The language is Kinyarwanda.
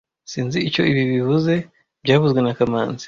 Sinzi icyo ibi bivuze byavuzwe na kamanzi